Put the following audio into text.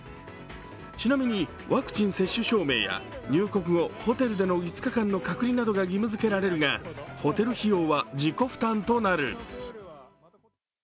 ちなみにワクチン接種証明や入国後ホテルでの５日間の隔離が義務づけられるが、ホテル費用は自己負担となる。